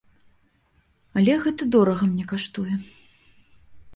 Але гэта дорага мне каштуе.